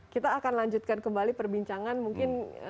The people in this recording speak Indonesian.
oke baik kita akan lanjutkan kembali perbincangan mungkin